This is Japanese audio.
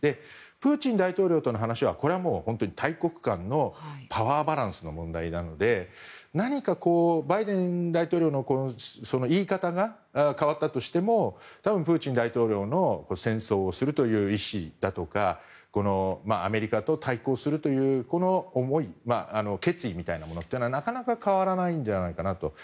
プーチン大統領との話はこれはもう大国間のパワーバランスの問題なので何か、バイデン大統領の言い方が変わったとしても多分、プーチン大統領の戦争をするという意思だとかアメリカと対抗するという思い決意みたいなものはなかなか変わらないんじゃないかなと。